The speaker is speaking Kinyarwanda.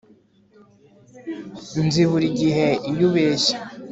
Nzi buri gihe iyo ubeshya